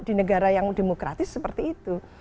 di negara yang demokratis seperti itu